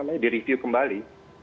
bisa direview kembali